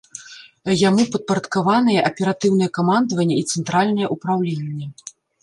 Яму падпарадкаваныя аператыўнае камандаванне і цэнтральнае ўпраўленне.